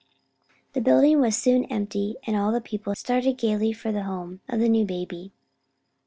The building was soon empty, and all the people started gaily for the home of the new baby.